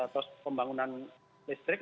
terus pembangunan listrik